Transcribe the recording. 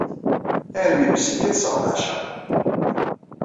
Armi bessif i ṭṭseɣ leɛca.